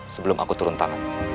sebelum aku turun tangan